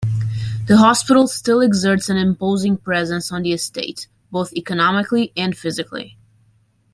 The hospital still exerts an imposing presence on the estate, both economically and physically.